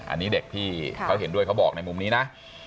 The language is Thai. อันนี้เด็กที่เขาเห็นด้วยเขาบอกในมุมนี้นะ